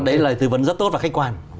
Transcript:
đấy là lời tư vấn rất tốt và khách quan